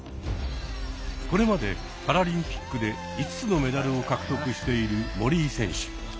これまでパラリンピックで５つのメダルを獲得している森井選手。